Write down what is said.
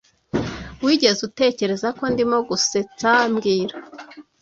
Wigeze utekereza ko ndimo gusetsa mbwira